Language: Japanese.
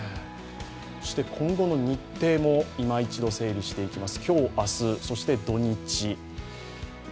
今後の日程もいま一度整理していきます。